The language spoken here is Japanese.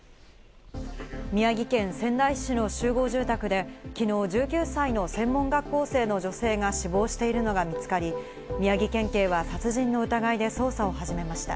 宮城県仙台市の集合住宅で昨日、１９歳の専門学校生の女性が死亡しているのが見つかり、宮城県警は殺人の疑いで捜査を始めました。